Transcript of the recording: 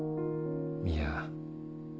いや。